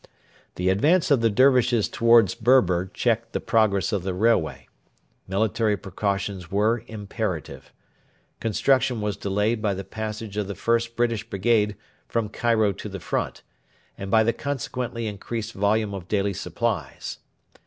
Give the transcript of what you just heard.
The advance of the Dervishes towards Berber checked the progress of the railway. Military precautions were imperative. Construction was delayed by the passage of the 1st British Brigade from Cairo to the front, and by the consequently increased volume of daily supplies.